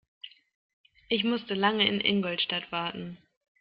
Ich musste lange in Ingolstadt warten